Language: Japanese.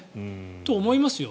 そう思いますよ。